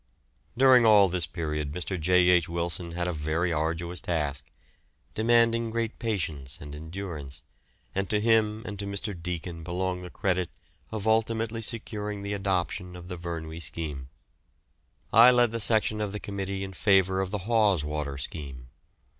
During all this period Mr. J. H. Wilson had a very arduous task, demanding great patience and endurance, and to him and to Mr. Deacon belong the credit of ultimately securing the adoption of the Vyrnwy scheme. I led the section of the committee in favour of the Hawes Water scheme.